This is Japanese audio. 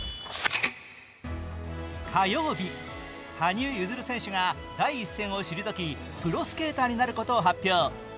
火曜日、羽生結弦選手が第一線を退きプロスケーターになることを発表。